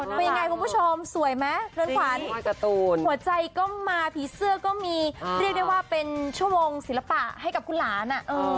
เป็นยังไงคุณผู้ชมสวยไหมเรือนขวัญหัวใจก็มาผีเสื้อก็มีเรียกได้ว่าเป็นชั่วโมงศิลปะให้กับคุณหลานอ่ะ